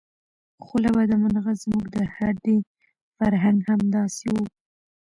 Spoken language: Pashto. خو له بده مرغه زموږ د هډې فرهنګ همداسې و.